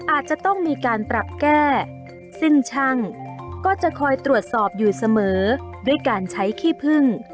อาจจะต้องมีการปรับแก้ซึ่งช่างก็จะคอยตรวจสอบอยู่เสมอด้วยการใช้ขี้พึ่ง